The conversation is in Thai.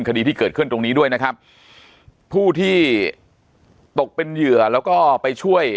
คดีที่เกิดขึ้นตรงนี้ด้วยนะครับผู้ที่ตกเป็นเหยื่อแล้วก็ไปช่วย